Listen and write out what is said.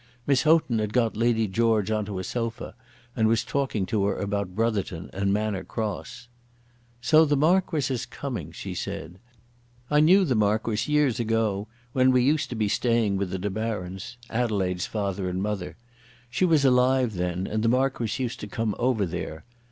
Miss Houghton had got Lady George on to a sofa, and was talking to her about Brotherton and Manor Cross. "So the Marquis is coming," she said. "I knew the Marquis years ago, when we used to be staying with the De Barons, Adelaide's father and mother. She was alive then, and the Marquis used to come over there.